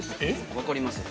◆分かります？